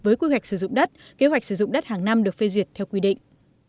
với quy hoạch sử dụng đất kế hoạch sử dụng đất hàng năm được phê duyệt theo quy định